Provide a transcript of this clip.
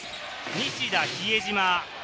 西田、比江島。